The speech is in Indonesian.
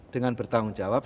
dengan bertanggung jawab